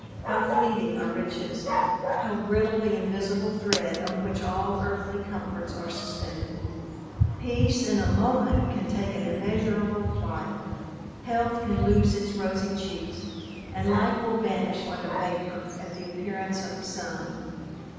how fleeting are riches! how brittle the invisible thread on which all earthly comforts are suspended! Peace in a moment can take an immeasurable flight; health can lose its rosy cheeks; and life will vanish like a vapor at the appearance of the sun!